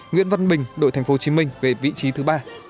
nguyễn văn bình đội tp hcm về vị trí thứ ba